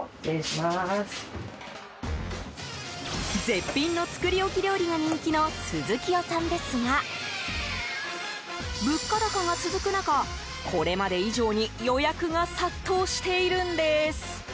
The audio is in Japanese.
絶品の作り置き料理が人気のすずきよさんですが物価高が続く中、これまで以上に予約が殺到しているんです。